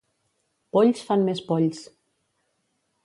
Polls fan més polls.